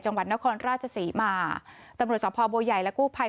จังหวัดนครราชศรีมาตำรวจสภบัวใหญ่และกู้ภัย